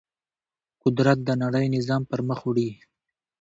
قدرت د نړۍ نظام پر مخ وړي.